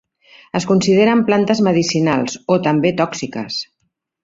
Es consideren plantes medicinals o també tòxiques.